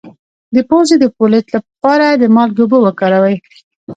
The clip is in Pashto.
د پوزې د پولیت لپاره د مالګې اوبه وکاروئ